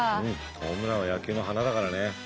ホームランは野球の華だからね。